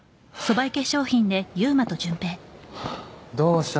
どうした？